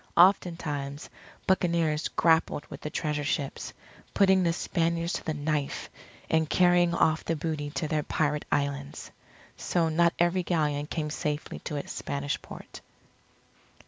Oftentimes, buccaneers grappled with the Treasure Ships, putting the Spaniards to the knife, and carrying off the booty to their pirate islands. So not every Galleon came safely to its Spanish port.